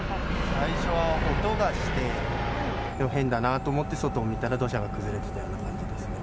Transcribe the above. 最初は音がして、変だなと思って外を見たら、土砂が崩れていたような感じです。